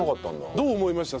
どう思いました？